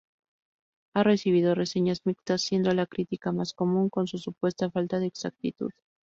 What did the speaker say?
Ha recibido reseñas mixtas, siendo la crítica más común su supuesta falta de exactitud.